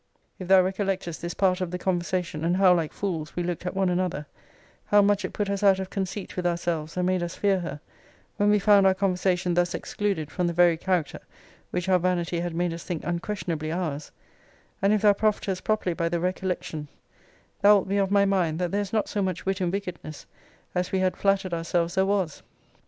If thou recollectest this part of the conversation, and how like fools we looked at one another; how much it put us out of conceit with ourselves, and made us fear her, when we found our conversation thus excluded from the very character which our vanity had made us think unquestionably ours; and if thou profitest properly by the recollection; thou wilt be of my mind, that there is not so much wit in wickedness as we had flattered ourselves there was.